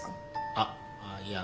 あっいや